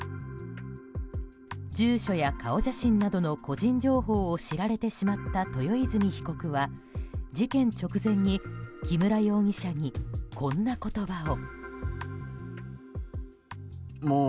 住所や顔写真などの個人情報を知られてしまった豊泉被告は事件直前に木村容疑者にこんな言葉を。